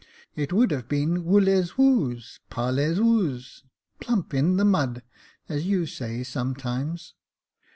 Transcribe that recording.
It would have been ivoo/ez nvous parlez nvous, plump in the mud, as you say sometimes."